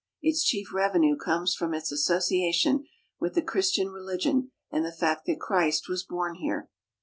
Its chief revenue comes from its association with the Christian religion and the fact that Christ was born here.